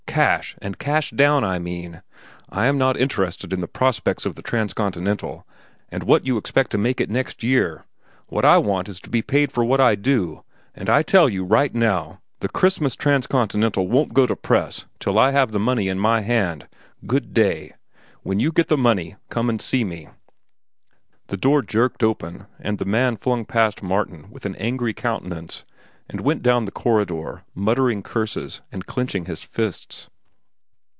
—cash, and cash down, I mean? I am not interested in the prospects of the Transcontinental and what you expect to make it next year. What I want is to be paid for what I do. And I tell you, right now, the Christmas Transcontinental don't go to press till I have the money in my hand. Good day. When you get the money, come and see me." The door jerked open, and the man flung past Martin, with an angry countenance and went down the corridor, muttering curses and clenching his fists.